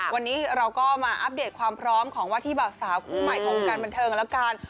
วันนี้เราก็มาอัปเดตความพร้อมของว่าที่เบาสาวคู่ใหม่ของวงการบันเทิงกันแล้วกัน